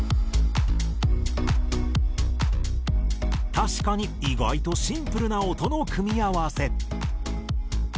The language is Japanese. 確かに意外とシンプルな音の組み合わせ。